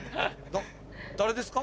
誰ですか？